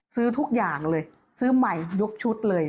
ซื้อทุกอย่างเลยซื้อใหม่ยกชุดเลย